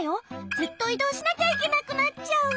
ずっといどうしなきゃいけなくなっちゃう。